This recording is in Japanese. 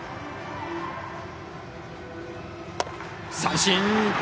三振！